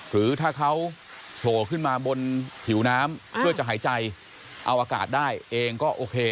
หรือถ้าเขาโผล่ขึ้นมาบนผิวน้ำเพื่อจะหายใจเอาอากาศได้เองก็โอเค